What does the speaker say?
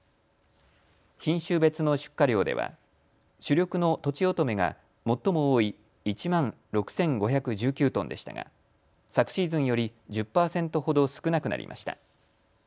品種別の出荷量では主力のとちおとめが最も多い１万６５１９トンでしたが昨シーズンより１０％ほど少なくなりました。